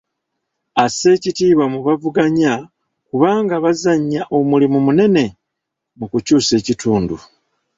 Assa ekitiibwa mu b'avuganya kubanga bazannya omulimu munene mu kukyusa ekitundu.